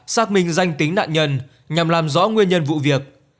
xác minh danh tính nạn nhân nhằm làm rõ nguyên nhân vụ việc